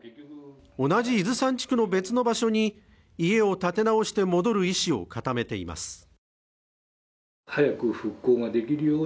同じ伊豆山地区の別の場所に家を建て直して戻る意思を固めています。